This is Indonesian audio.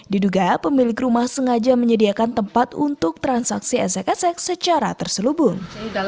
diduga pemilik rumah sengaja menyediakan tempat untuk transaksi esek esek secara terselubung